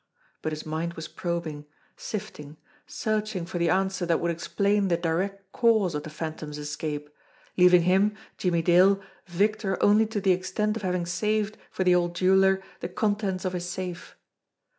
But his mind was probing, sifting, searching for the answer that would explain the direct cause of the Phantom's escape, leaving him, Jimmie Dale, victor only to the extent of having saved for the old jeweller the contents of his safe.